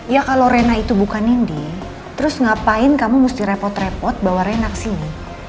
ya kalau rena itu bukan indi terus ngapain kamu mesti repot repot bawa rena kesini